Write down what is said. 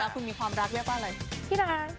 คุณมีความรักเรียกว่าอะไร